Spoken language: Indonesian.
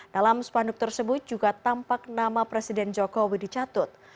dalam spanduk tersebut juga tampak nama presiden jokowi dicatut